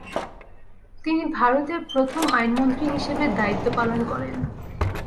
তিনি ভারতের প্রথম আইনমন্ত্রী হিসেবে দায়িত্ব পালন করেন ।